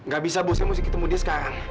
gak bisa bu saya mau ketemu dia sekarang